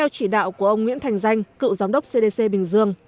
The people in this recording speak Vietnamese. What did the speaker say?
chỉ đạo của ông nguyễn thành danh cựu giám đốc cdc bình dương